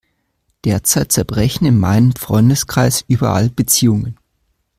Derzeit zerbrechen in meinem Freundeskreis überall Beziehungen.